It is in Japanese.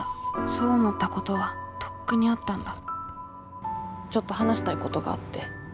そう思ったことはとっくにあったんだちょっと話したいことがあって。